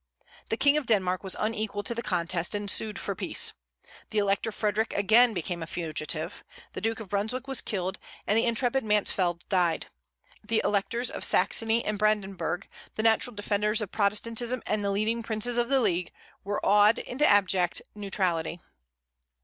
The King of Denmark was unequal to the contest, and sued for peace. The Elector Frederic again became a fugitive, the Duke of Brunswick was killed, and the intrepid Mansfeld died. The Electors of Saxony and Brandenburg, the natural defenders of Protestantism and the leading princes of the league, were awed into an abject neutrality.